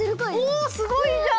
おっすごいじゃん！